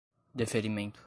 deferimento